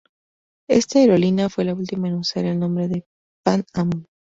Esta aerolínea fue la ultima en usar el nombre de Pan Am.